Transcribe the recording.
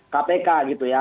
kpk gitu ya